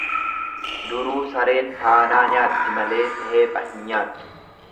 Duruu sareen faanaa nyaatti malee teepha hin nyaattu.